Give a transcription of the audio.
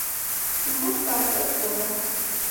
imut lakwet kowo gaa